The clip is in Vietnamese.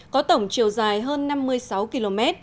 có tổng chiều dài hơn năm mươi sáu km